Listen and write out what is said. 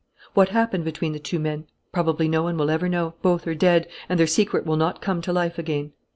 What happened between the two men? Probably no one will ever know. Both are dead; and their secret will not come to life again.